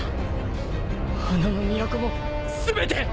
花の都も全て！？